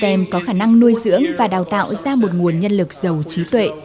các em có khả năng nuôi dưỡng và đào tạo ra một nguồn nhân lực giàu trí tuệ